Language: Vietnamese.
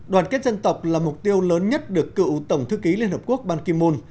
đoàn kết dân tộc là mục tiêu lớn nhất được cựu tổng thư ký liên hợp quốc ban kim môn